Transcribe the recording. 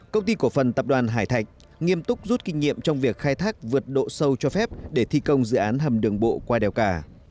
công ty cổ phần tập đoàn hải thạch nghiêm túc rút kinh nghiệm trong việc khai thác vượt độ sâu cho phép để thi công dự án hầm đường bộ qua đèo cả